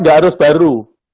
gak harus baru